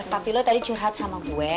papi lo tadi curhat sama gue